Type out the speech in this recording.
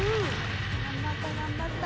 「頑張った頑張った」